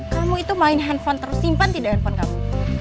kamu itu main handphone terus simpan tidak handphone kamu